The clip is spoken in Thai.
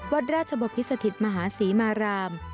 วัดราชบพิสถิตมหาศรีมาราม